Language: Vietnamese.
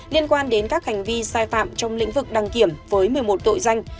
liên quan đến các hành vi sai phạm trong lĩnh vực đăng kiểm với một mươi một tội danh